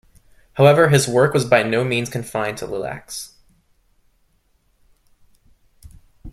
However, his work was by no means confined to lilacs.